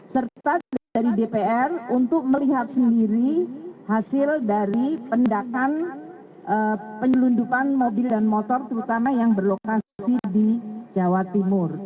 serta dari dpr untuk melihat sendiri hasil dari pendakan penyelundupan mobil dan motor terutama yang berlokasi di jawa timur